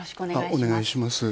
お願いします。